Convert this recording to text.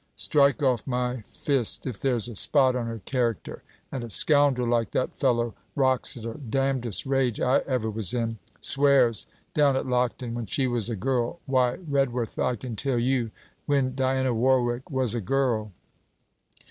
Strike off my fist if there's a spot on her character! And a scoundrel like that fellow Wroxeter! Damnedest rage I ever was in! Swears... down at Lockton... when she was a girl. Why, Redworth, I can tell you, when Diana Warwick was a girl!'